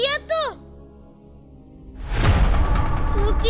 ya aku ngerti